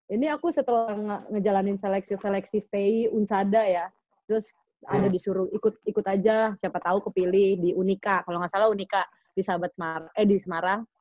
ini aku setelah ngejalanin seleksi seleksi sti unsada ya terus ada disuruh ikut ikut aja siapa tahu kepilih di unika kalau enggak salah unika di semarang